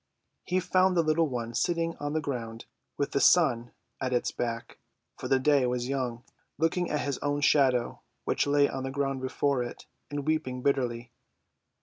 He found the little one sitting on the ground, with the sun at its back (for the day was young), looking at its own shadow, which lay on the ground before it, and weeping bitterly.